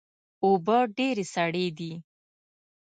اوبه ډیرې سړې دي